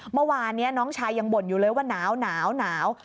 เมื่อวานนี้น้องชายยังบ่นอยู่เลยว่าหนาว